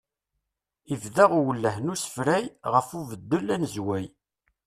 Ibda uwelleh n ussefrey ɣef ubeddel anezway.